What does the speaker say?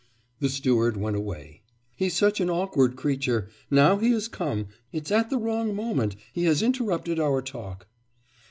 The steward went away. 'He's such an awkward creature. Now he has come, it's at the wrong moment; he has interrupted our talk.